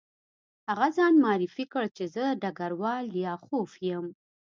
هغه ځان معرفي کړ چې زه ډګروال لیاخوف یم